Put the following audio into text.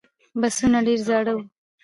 بسونه ډېر زاړه و.